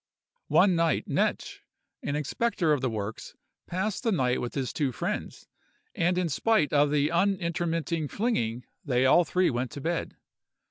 "One night Knetsch, an inspector of the works, passed the night with the two friends, and in spite of the unintermitting flinging they all three went to bed.